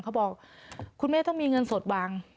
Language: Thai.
เขาบอกคุณแม่ต้องมีเงินสดวาง